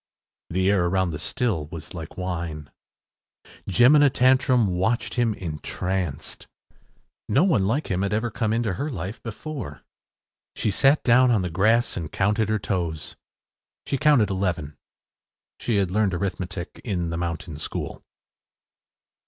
The air around the still was like wine. Jemina Tantrum watched him entranced. No one like him had ever come into her life before. She sat down on the grass and counted her toes. She counted eleven. She had learned arithmetic in the mountain school.